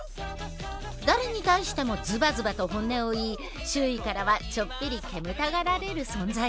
誰に対してもズバズバと本音を言い周囲からはちょっぴり煙たがられる存在。